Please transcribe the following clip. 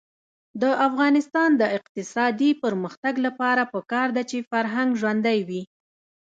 د افغانستان د اقتصادي پرمختګ لپاره پکار ده چې فرهنګ ژوندی وي.